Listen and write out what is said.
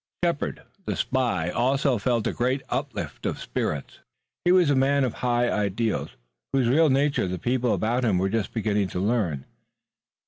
Shepard, the spy, also felt a great uplift of the spirits. He was a man of high ideals, whose real nature the people about him were just beginning to learn.